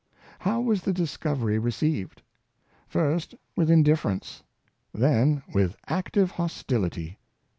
How was the discovery received? First with indiffer ence, then with active hostiHty.